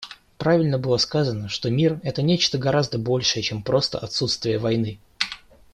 Правильно было сказано, что мир — это нечто гораздо большее, чем просто отсутствие войны.